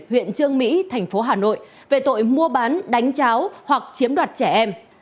huyện trương mỹ tp hà nội về tội mua bán đánh cháo hoặc chiếm đoạt trẻ em